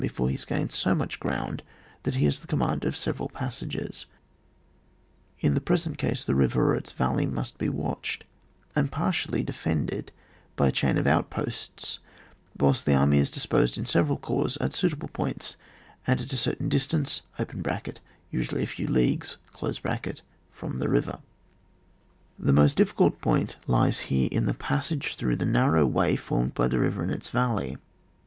before he has gained so much ground that he has the command of several passages, tn the present case the river or its vaHey must De watched and partially defended by a chain of outposts whilst the army is dis posed in several corps at suitable points and at a certedn distance (usually a few leagues) from the river. The most difficult point lies here in the passage through the narrow way formed by the river and its valley.